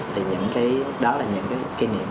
thì đó là những kỷ niệm